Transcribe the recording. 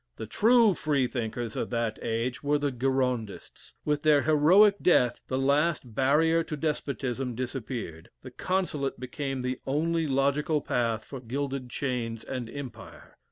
The true Freethinkers of that age were the Girondists. With their heroic death, the last barrier to despotism disappeared; the Consulate became the only logical path for gilded chains and empire.